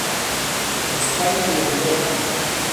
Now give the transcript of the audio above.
España y Europa.